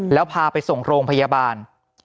แล้วพาไปส่งโรงพยาบาล